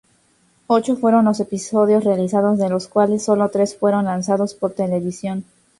Ocho fueron los episodios realizados de los cuales solo tres fueron lanzados por televisión.